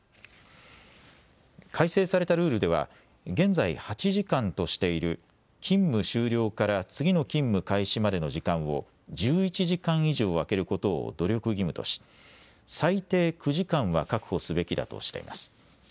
改正されたルールでは現在、８時間としている勤務終了から次の勤務開始までの時間を１１時間以上空けることを努力義務とし最低９時間は確保すべきだとしています。